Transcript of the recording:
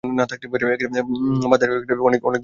বাঁধের ওপর থেকে বাংলাদেশের ভেতরে অনেক দূর পর্যন্ত দেখা যেত।